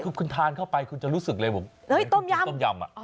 คือคุณทานเข้าไปคุณจะรู้สึกเลยเหมือนคุณกินต้มยำ